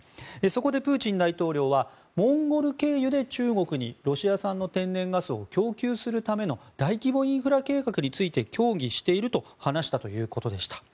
そこでプーチン大統領はモンゴル経由で中国にロシア産の天然ガスを供給するための大規模インフラ計画について協議していると話したということでした。